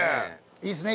いいですね。